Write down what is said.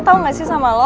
tau gak sih sama lo